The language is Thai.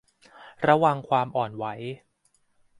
ระวังความอ่อนไหว